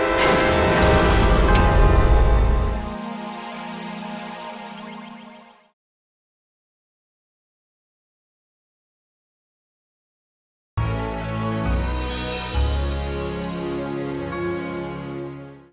aku mau pergi